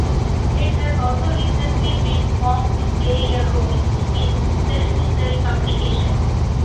It has also recently been found to play a role in cell-to-cell communication.